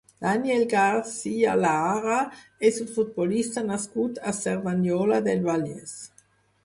Daniel Garcia Lara és un futbolista nascut a Cerdanyola del Vallès.